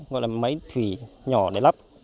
gọi là máy thủy nhỏ để lắp